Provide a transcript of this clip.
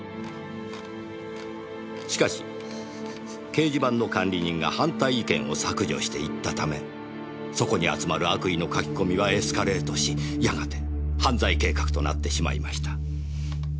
しかし掲示板の管理人が反対意見を削除していったためそこに集まる悪意の書き込みはエスカレートしやがて犯罪計画となってしまいました。